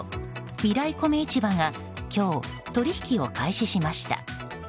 みらい米市場が今日、取引を開始しました。